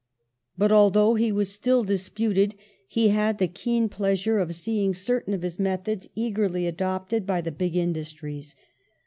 But, although he was still disputed, he had the keen pleasure of seeing certain of his methods eagerly adopted by the big industries.